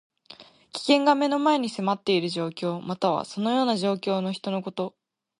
危険が目の前に迫っている状況。または、そのような状況の人のこと。